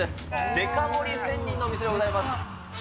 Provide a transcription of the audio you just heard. デカ盛り仙人の店でございます。